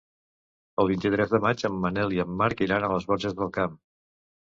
El vint-i-tres de maig en Manel i en Marc iran a les Borges del Camp.